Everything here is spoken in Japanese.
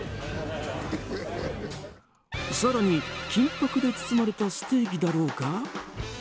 更に、金箔で包まれたステーキだろうか。